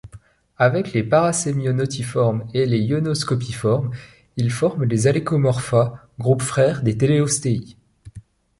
Avec les †Parasemionotiformes et les †Ionoscopiformes, ils forment les Halecomorpha groupe frère des Teleostei.